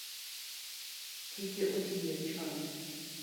Tike oti yier chon